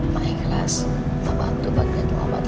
mas bantu pakai kebuka pak